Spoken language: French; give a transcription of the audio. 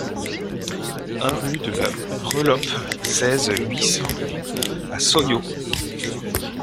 un rue de la Vreloppe, seize, huit cents à Soyaux